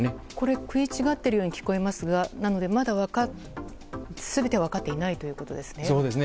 食い違っているように聞こえますがなので、全ては分かっていないということですね。